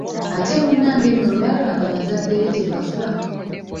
Ate munnange nno lwalwa nga bazadde be tebafa!